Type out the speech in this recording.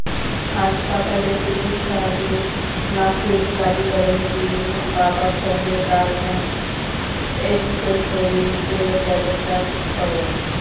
হাসপাতালে চিকিৎসাধীন নাফিজ দাবি করেন, তিনি বাবার সঙ্গে গার্মেন্টস এক্সেসরিজের ব্যবসা করেন।